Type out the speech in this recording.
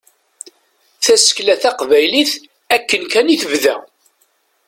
Tasekla taqbaylit akken kan i tebda.